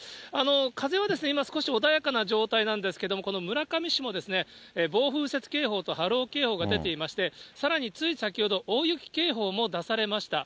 風は今少し穏やかな状態なんですけれども、この村上市も暴風雪警報と波浪警報が出ていまして、さらについ先ほど、大雪警報も出されました。